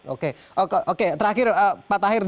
oke terakhir pak tahir